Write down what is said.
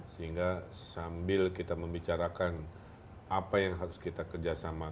sehingga sambil kita membicarakan apa yang harus kita kerjasamakan